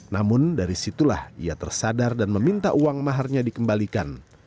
namun dari situlah ia tersadar dan meminta uang maharnya dikembalikan